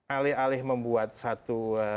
alih alih membuat satu